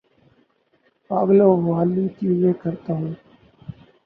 پاگلوں والی چیزیں کرتا ہوں